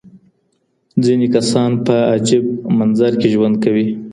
ځينې کسان په عجيب منظر کي ژوند کوي.